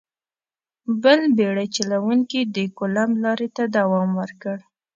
بل بېړۍ چلوونکي د کولمب لارې ته دوام ورکړ.